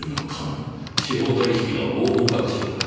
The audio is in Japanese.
司法取引の合法化でしょうか？